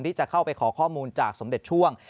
ที่จะเข้าไปขอข้อมูลจากสมเด็จช่วง